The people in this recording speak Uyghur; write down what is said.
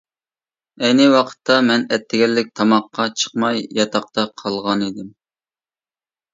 ئەينى ۋاقىتتا مەن ئەتىگەنلىك تاماققا چىقماي ياتاقتا قالغانىدىم.